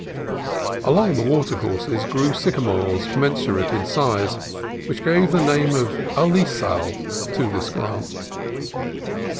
Along the watercourses grew sycamores com mensurate in size, which gave the name of Alisal to this grant.